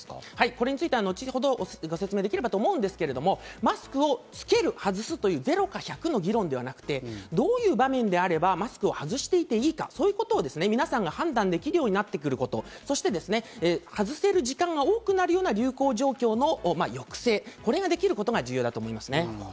これに関しては後ほど説明できればと思いますが、マスクをつける、外すというゼロか１００かの議論ではなく、どういう場面であればマスクを外していっていいか、皆さんが判断できるようになってくること、そして外せる時間が多くなるような流行状況の抑制、これができることが重要だと思いますね。